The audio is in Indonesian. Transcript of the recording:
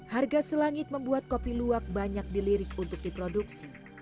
harga selangit membuat kopi luwak banyak dilirik untuk diproduksi